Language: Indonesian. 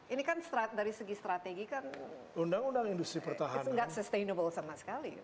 ini kan dari segi strategi kan nggak sustainable sama sekali